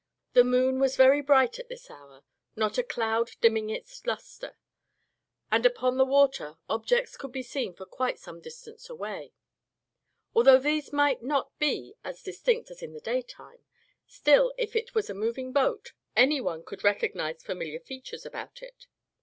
The moon was very bright at this hour, not a cloud dimming its lustre; and upon the water objects could be seen for quite some distance away. Although these might not be as distinct as in the daytime; still, if it was a moving boat, any one could recognize familiar features about it.